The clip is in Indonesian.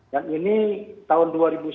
dan ini tahun dua ribu sembilan belas